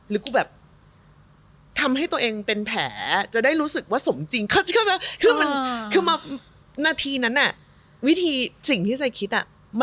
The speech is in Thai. แล้วปีนยังไงทำไมไม่มีแผลคือล่ามคิดแบบเหลือกูกลีตัวเองวะ